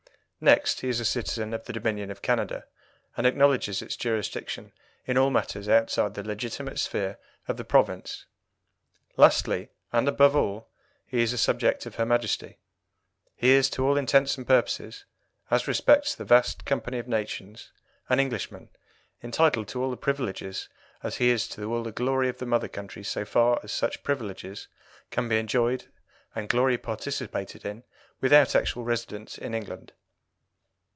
Next, he is a citizen of the Dominion of Canada, and acknowledges its jurisdiction in all matters outside the legitimate sphere of the province. Lastly, and above all, he is a subject of her Majesty. He is to all intents and purposes, as respects the vast company of nations, an Englishman, entitled to all the privileges as he is to all the glory of the mother country so far as such privileges can be enjoyed and glory participated in without actual residence in England.